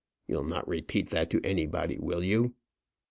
You'll not repeat that to anybody, will you?"